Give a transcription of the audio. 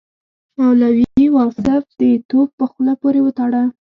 مولوي واصف د توپ په خوله پورې وتاړه.